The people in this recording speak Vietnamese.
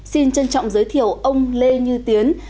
xin trân trọng giới thiệu ông lê như tiến